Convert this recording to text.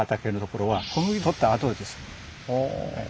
おお。